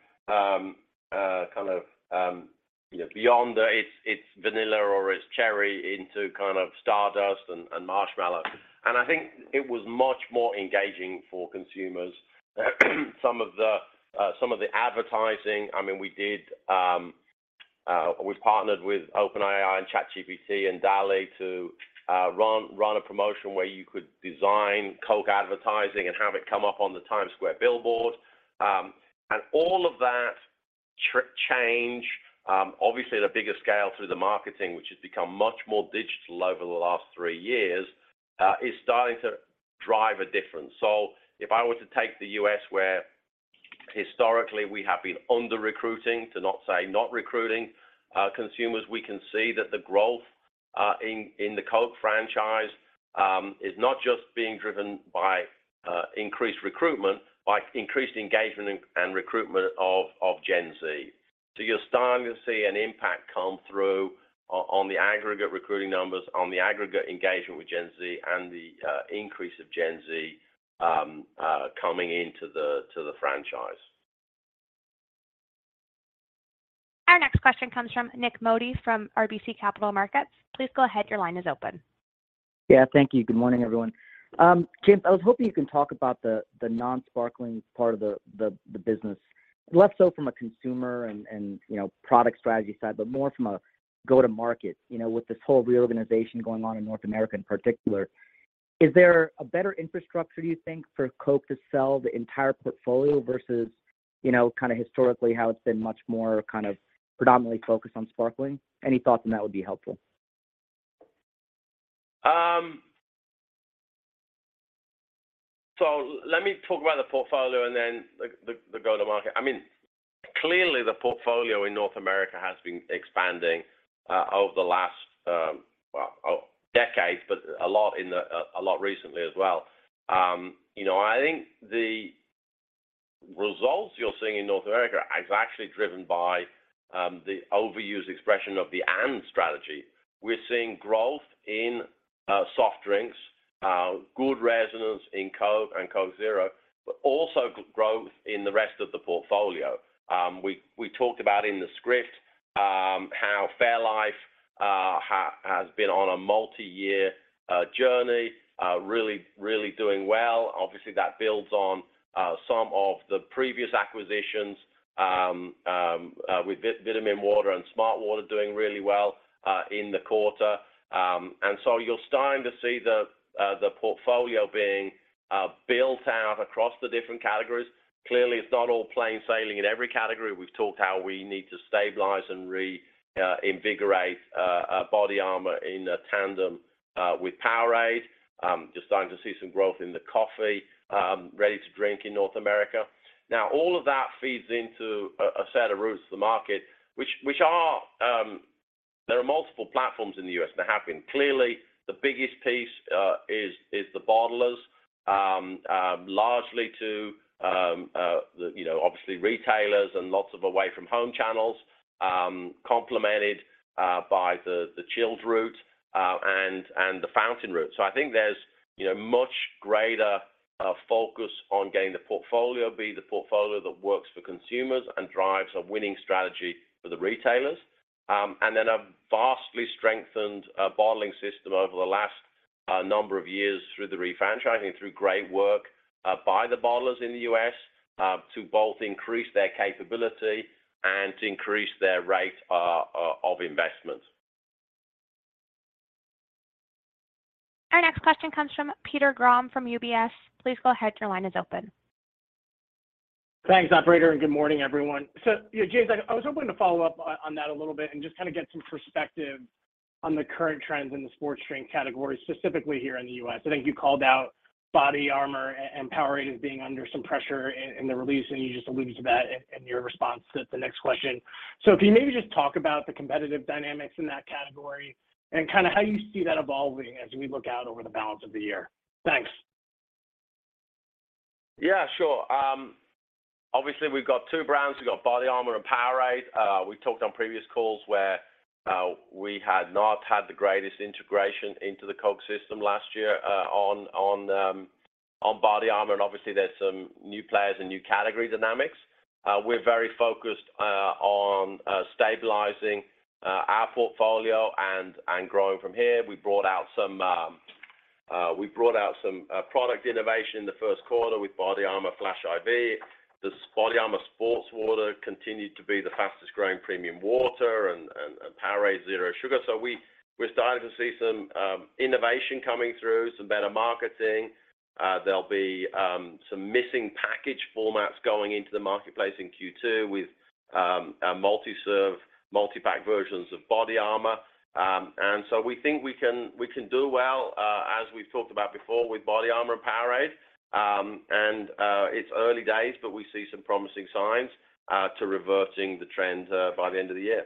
beyond its vanilla or its cherry into kind of stardust and marshmallow. I think it was much more engaging for consumers. Some of the advertising, I mean, we did, we partnered with OpenAI and ChatGPT and DALL-E to run a promotion where you could design Coke advertising and have it come up on the Times Square billboard. All of that change, obviously at a bigger scale through the marketing, which has become much more digital over the last three years, is starting to drive a difference. If I were to take the U.S., where historically we have been under-recruiting, to not say not recruiting, consumers, we can see that the growth in the Coke franchise is not just being driven by increased recruitment, by increased engagement and recruitment of Gen Z. You're starting to see an impact come through on the aggregate recruiting numbers, on the aggregate engagement with Gen Z and the increase of Gen Z coming into the franchise. Our next question comes from Nik Modi from RBC Capital Markets. Please go ahead. Your line is open. Yeah, thank you. Good morning, everyone. James, I was hoping you can talk about the non-sparkling part of the business, less so from a consumer and, you know, product strategy side, but more from a go-to-market. You know, with this whole reorganization going on in North America in particular, is there a better infrastructure, do you think, for Coke to sell the entire portfolio versus, you know, kind of historically how it's been much more kind of predominantly focused on sparkling? Any thoughts on that would be helpful. Let me talk about the portfolio and then the go-to-market. I mean, clearly the portfolio in North America has been expanding over the last, well, decades, but a lot recently as well. You know, I think the results you're seeing in North America is actually driven by the overused expression of the and strategy. We're seeing growth in soft drinks, good resonance in Coke and Coke Zero, but also growth in the rest of the portfolio. We talked about in the script how fairlife has been on a multi-year journey, really, really doing well. Obviously, that builds on some of the previous acquisitions with vitaminwater and smartwater doing really well in the quarter. You're starting to see the portfolio being built out across the different categories. Clearly, it's not all plain sailing in every category. We've talked how we need to stabilize and reinvigorate BODYARMOR in tandem with POWERADE. Just starting to see some growth in the coffee ready-to-drink in North America. All of that feeds into a set of routes to the market, which are there are multiple platforms in the U.S. that have been. Clearly, the biggest piece is the bottlers, largely to the, you know, obviously retailers and lots of away-from-home channels, complemented by the chilled route and the fountain route. I think there's, you know, much greater focus on getting the portfolio, be the portfolio that works for consumers and drives a winning strategy for the retailers. A vastly strengthened bottling system over the last number of years through the refranchising, through great work by the bottlers in the U.S. to both increase their capability and to increase their rate of investment. Our next question comes from Peter Grom from UBS. Please go ahead. Your line is open. Thanks, operator. Good morning, everyone. You know, James, I was hoping to follow up on that a little bit and just kind of get some perspective on the current trends in the sports drink category, specifically here in the U.S. I think you called out BODYARMOR and POWERADE as being under some pressure in the release, and you just alluded to that in your response to the next question. If you maybe just talk about the competitive dynamics in that category and kind of how you see that evolving as we look out over the balance of the year. Thanks. Yeah, sure. Obviously, we've got two brands. We've got BODYARMOR and POWERADE. We talked on previous calls where we had not had the greatest integration into the Coke system last year on BODYARMOR, obviously there's some new players and new category dynamics. We're very focused on stabilizing our portfolio and growing from here. We brought out some product innovation in the first quarter with BODYARMOR Flash I.V. BODYARMOR SportWater continued to be the fastest growing premium water and POWERADE Zero Sugar. We're starting to see some innovation coming through, some better marketing. There'll be some missing package formats going into the marketplace in Q2 with multi-serve, multi-pack versions of BODYARMOR. We think we can do well, as we've talked about before with BODYARMOR and POWERADE. It's early days, but we see some promising signs, to reversing the trend, by the end of the year.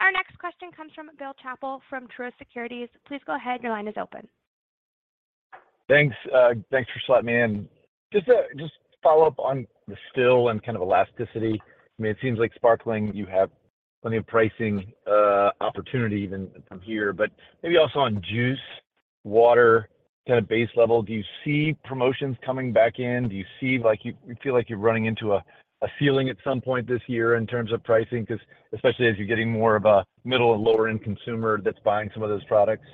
Our next question comes from Bill Chappell from Truist Securities. Please go ahead. Your line is open. Thanks, thanks for slotting me in. Just to follow up on the still and kind of elasticity. I mean, it seems like sparkling, you have plenty of pricing opportunity even from here, but maybe also on juice, water kind of base level, do you see promotions coming back in? Do you see like you feel like you're running into a ceiling at some point this year in terms of pricing? 'Cause especially as you're getting more of a middle and lower-end consumer that's buying some of those products.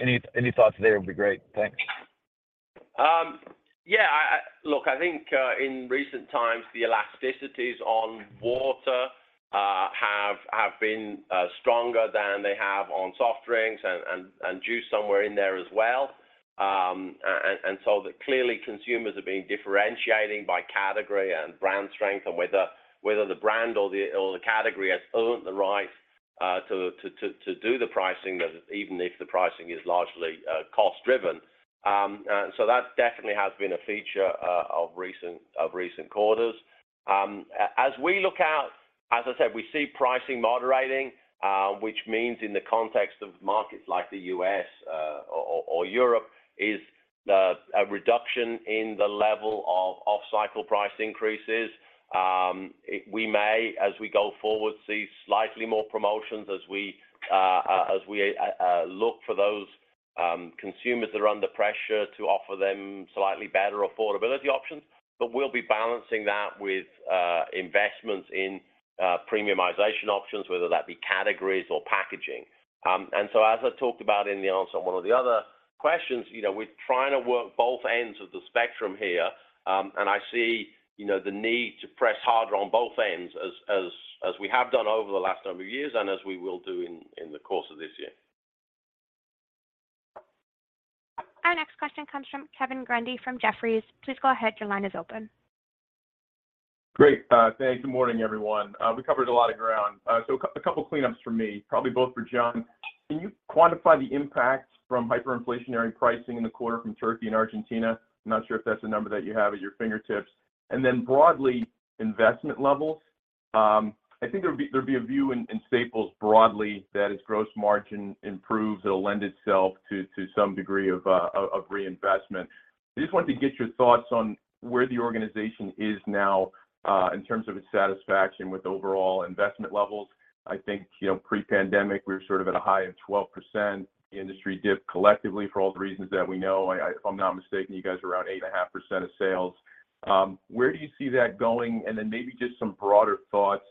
Any thoughts there would be great. Thanks. Yeah, I look, I think in recent times, the elasticities on water have been stronger than they have on soft drinks and juice somewhere in there as well. That clearly consumers are being differentiating by category and brand strength and whether the brand or the category has earned the right to do the pricing, even if the pricing is largely cost-driven. That definitely has been a feature of recent quarters. As we look out, as I said, we see pricing moderating, which means in the context of markets like the U.S. or Europe, is a reduction in the level of off-cycle price increases. We may, as we go forward, see slightly more promotions as we look for those, consumers that are under pressure to offer them slightly better affordability options. We'll be balancing that with investments in premiumization options, whether that be categories or packaging. As I talked about in the answer on one of the other questions, you know, we're trying to work both ends of the spectrum here. I see, you know, the need to press harder on both ends as we have done over the last number of years and as we will do in the course of this year. Our next question comes from Kevin Grundy from Jefferies. Please go ahead. Your line is open. Great. Thanks. Good morning, everyone. We covered a lot of ground. So a couple cleanups for me, probably both for John. Can you quantify the impact from hyperinflationary pricing in the quarter from Turkey and Argentina? I'm not sure if that's a number that you have at your fingertips. Then broadly, investment levels. I think there would be, there'd be a view in staples broadly that as gross margin improves, it'll lend itself to some degree of reinvestment. I just wanted to get your thoughts on where the organization is now in terms of its satisfaction with overall investment levels. I think, you know, pre-pandemic, we were sort of at a high of 12%. The industry dipped collectively for all the reasons that we know. I, if I'm not mistaken, you guys are around 8.5% of sales. Where do you see that going? Maybe just some broader thoughts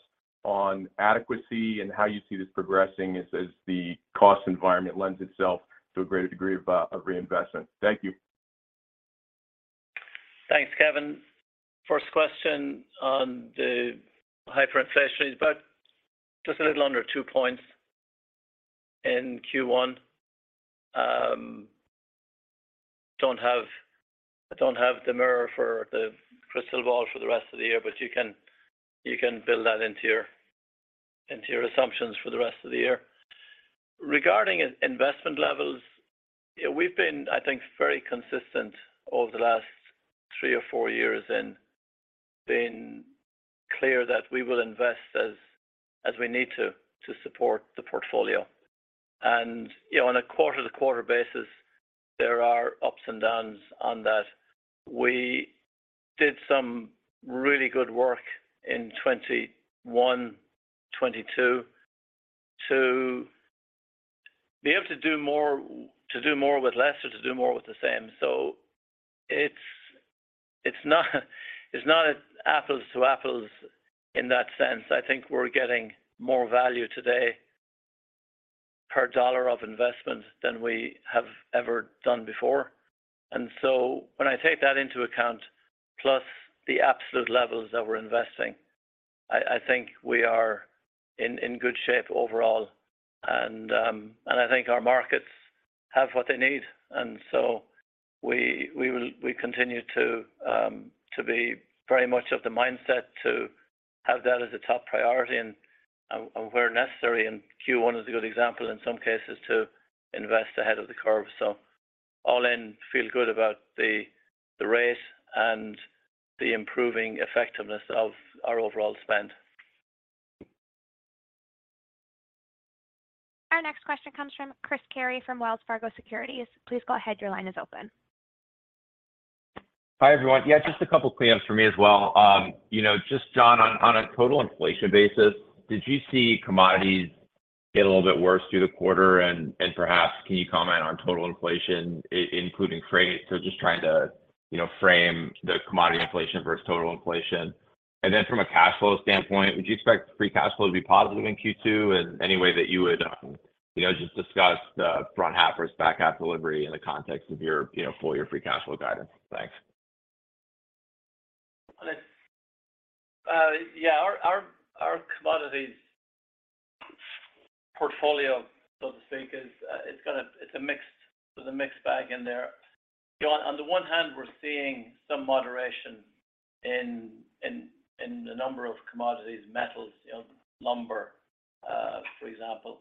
on adequacy and how you see this progressing as the cost environment lends itself to a greater degree of reinvestment. Thank you. Thanks, Kevin. First question on the hyperinflation is about just a little under 2 points in Q1. I don't have the mirror for the crystal ball for the rest of the year, but you can build that into your assumptions for the rest of the year. Regarding investment levels, we've been, I think, very consistent over the last three or four years in being clear that we will invest as we need to support the portfolio. You know, on a quarter-to-quarter basis, there are ups and downs on that. We did some really good work in 2021, 2022 to be able to do more to do more with less or to do more with the same. It's not apples to apples in that sense. I think we're getting more value today per dollar of investment than we have ever done before. When I take that into account, plus the absolute levels that we're investing, I think we are in good shape overall. I think our markets have what they need. We continue to be very much of the mindset to have that as a top priority and where necessary, and Q1 is a good example in some cases, to invest ahead of the curve. All in, feel good about the rate and the improving effectiveness of our overall spend. Our next question comes from Chris Carey from Wells Fargo Securities. Please go ahead. Your line is open. Hi, everyone. Yeah, just a couple cleanups for me as well. You know, just John, on a total inflation basis, did you see commodities get a little bit worse through the quarter? Perhaps can you comment on total inflation including freight? Just trying to, you know, frame the commodity inflation versus total inflation. Then from a cash flow standpoint, would you expect free cash flow to be positive in Q2? Any way that you would, you know, just discuss the front half versus back half delivery in the context of your, you know, full year free cash flow guidance? Thanks. Yeah. Our commodities portfolio, so to speak, is, it's a mixed bag in there. You know, on the one hand, we're seeing some moderation in the number of commodities, metals, you know, lumber, for example.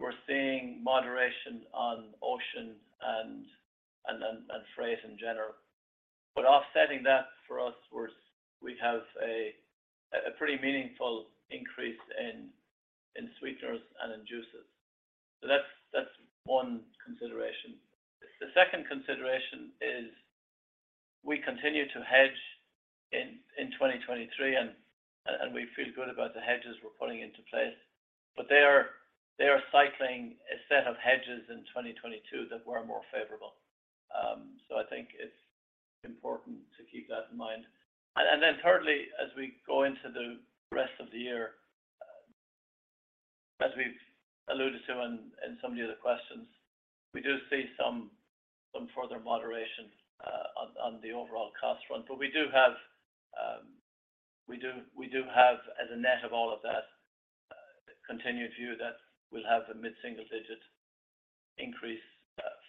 We're seeing moderation on ocean and freight in general. Offsetting that for us was we have a pretty meaningful increase in sweeteners and in juices. That's one consideration. The second consideration is we continue to hedge in 2023, and we feel good about the hedges we're putting into place. They are cycling a set of hedges in 2022 that were more favorable. I think it's important to keep that in mind. Thirdly, as we go into the rest of the year, as we've alluded to in some of the other questions, we do see some further moderation on the overall cost front. We do have as a net of all of that a continued view that we'll have a mid-single digit increase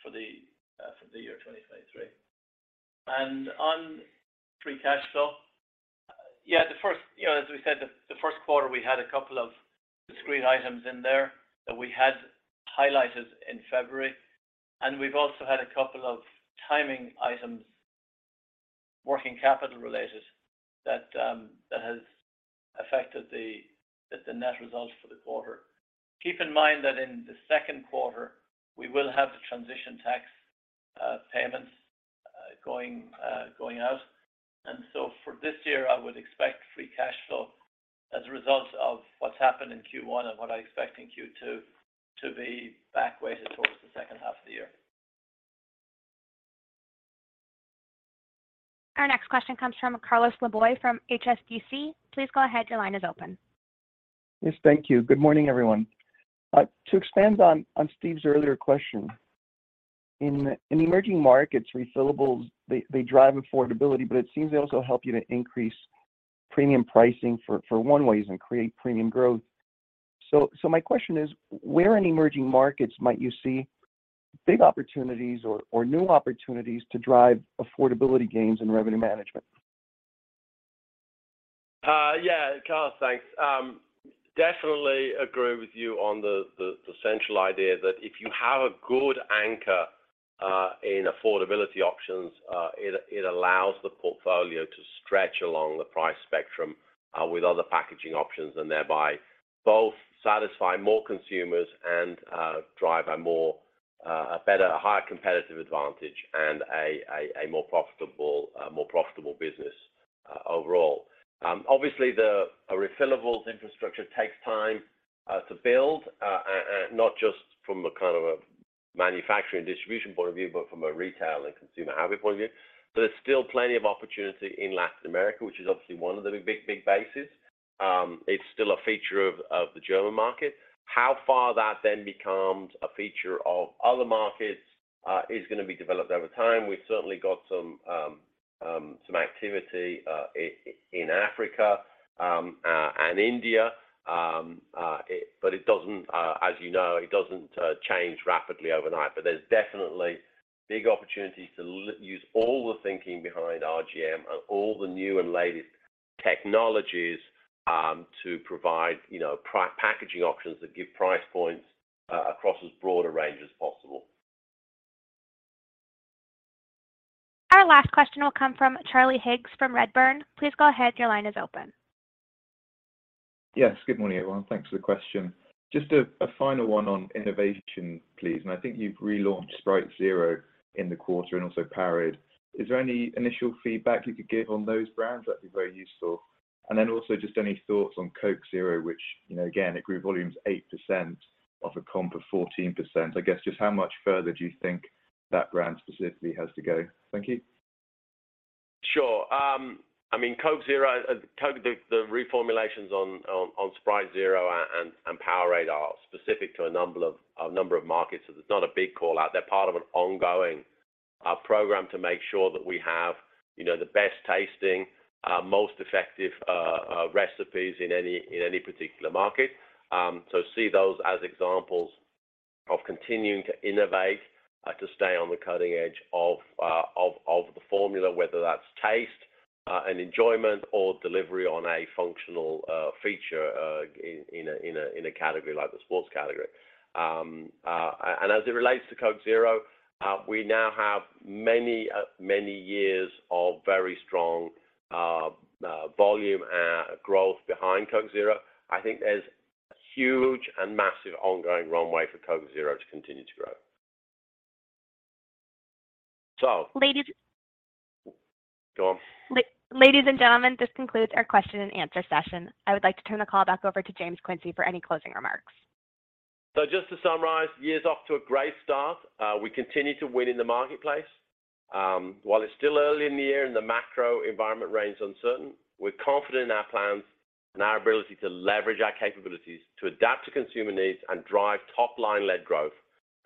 for the year 2023. On free cash flow, yeah, you know, as we said, the first quarter, we had a couple of discrete items in there that we had highlighted in February, and we've also had a couple of timing items, working capital related that has affected the net results for the quarter. Keep in mind that in the second quarter we will have the transition tax payments going out. For this year, I would expect free cash flow as a result of what's happened in Q1 and what I expect in Q2 to be back-weighted towards the second half of the year. Our next question comes from Carlos Laboy from HSBC. Please go ahead. Your line is open. Yes. Thank you. Good morning, everyone. To expand on Steve's earlier question, in emerging markets, refillables, they drive affordability, but it seems they also help you to increase premium pricing for one ways and create premium growth. My question is: where in emerging markets might you see big opportunities or new opportunities to drive affordability gains in revenue management? Yeah, Carlos, thanks. Definitely agree with you on the central idea that if you have a good anchor in affordability options, it allows the portfolio to stretch along the price spectrum with other packaging options and thereby both satisfy more consumers and drive a more, a better, a higher competitive advantage and a more profitable business overall. Obviously the refillables infrastructure takes time to build, not just from a kind of a manufacturing distribution point of view, but from a retail and consumer habit point of view. There's still plenty of opportunity in Latin America, which is obviously one of the big, big bases. It's still a feature of the German market. How far that then becomes a feature of other markets, is gonna be developed over time. We've certainly got some activity, in Africa, and India. But it doesn't, as you know, it doesn't change rapidly overnight. There's definitely big opportunities to use all the thinking behind RGM and all the new and latest technologies, to provide, you know, packaging options that give price points, across as broad a range as possible. Our last question will come from Charlie Higgs from Redburn. Please go ahead. Your line is open. Yes. Good morning, everyone. Thanks for the question. Just a final one on innovation, please. I think you've relaunched Sprite Zero in the quarter and also POWERADE. Is there any initial feedback you could give on those brands? That'd be very useful. Also just any thoughts on Coke Zero, which, you know, again, it grew volumes 8% off a comp of 14%. I guess just how much further do you think that brand specifically has to go? Thank you. Sure. I mean Coke, the reformulations on Sprite Zero and POWERADE are specific to a number of markets. There's not a big call-out. They're part of an ongoing program to make sure that we have, you know, the best tasting, most effective recipes in any particular market. See those as examples of continuing to innovate to stay on the cutting edge of the formula, whether that's taste and enjoyment or delivery on a functional feature in a category like the sports category. As it relates to Coke Zero, we now have many years of very strong volume and growth behind Coke Zero. I think there's a huge and massive ongoing runway for Coke Zero to continue to grow. Ladies. Go on. Ladies and gentlemen, this concludes our question and answer session. I would like to turn the call back over to James Quincey for any closing remarks. Just to summarize, the year's off to a great start. We continue to win in the marketplace. While it's still early in the year and the macro environment remains uncertain, we're confident in our plans and our ability to leverage our capabilities to adapt to consumer needs and drive top-line led growth,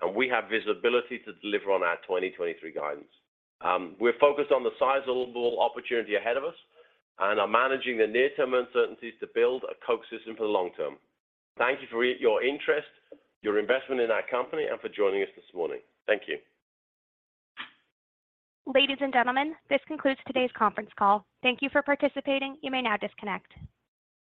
and we have visibility to deliver on our 2023 guidance. We're focused on the sizable opportunity ahead of us and are managing the near-term uncertainties to build a Coke system for the long term. Thank you for your interest, your investment in our company, and for joining us this morning. Thank you. Ladies and gentlemen, this concludes today's conference call. Thank you for participating. You may now disconnect.